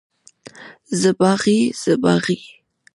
زه باغي، زه باغي.